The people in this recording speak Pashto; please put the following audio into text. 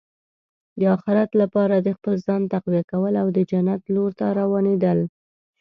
د اخرت لپاره د خپل ځان تقویه کول او د جنت لور ته روانېدل.